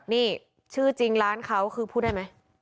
นี่ชื่อจริงร้านเขาคือพูดได้ไหม